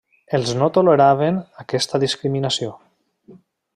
Els no toleraven aquesta discriminació.